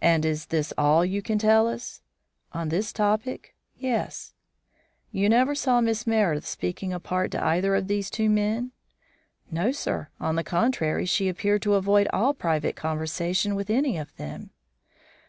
"And is this all you can tell us?" "On this topic? Yes." "You never saw Miss Meredith speaking apart to either of these two men?" "No, sir; on the contrary, she appeared to avoid all private conversation with any of them."